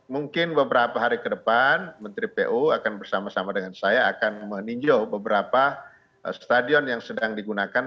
mungkin beberapa hari ke depan menteri pu akan bersama sama dengan saya akan meninjau beberapa stadion yang sedang digunakan